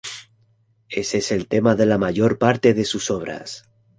Ese es el tema de la mayor parte de sus obras.